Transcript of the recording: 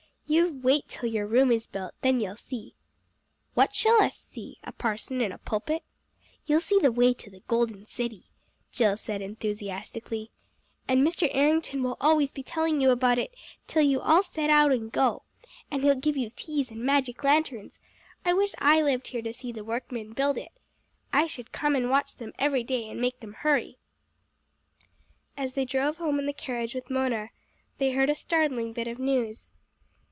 "You wait till your room is built, then you'll see." "What shall us see? A parson in a pulpit?" "You'll see the way to the Golden City," Jill said enthusiastically. "And Mr. Errington will be always telling you about it till you all set out and go. And he'll give you teas and magic lanterns. I wish I lived here to see the workmen build it. I should come and watch them every day, and make them hurry." As they drove home in the carriage with Mona they heard a startling bit of news.